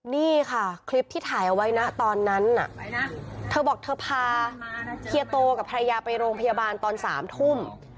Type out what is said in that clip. นี่ค่ะคลิปที่ถ่ายเอาไว้นะตอนนั้นน่ะเธอบอกเธอพาเฮียโตกับภรรยาไปโรงพยาบาลตอน๓ทุ่ม